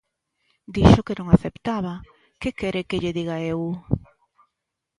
Dixo que non aceptaba, ¿que quere que lle diga eu?